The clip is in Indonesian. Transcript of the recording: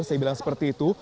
saya bilang seperti itu